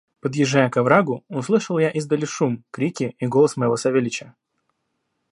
Подъезжая к оврагу, услышал я издали шум, крики и голос моего Савельича.